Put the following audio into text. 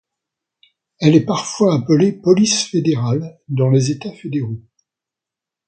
Elle est parfois appelée police fédérale dans les États fédéraux.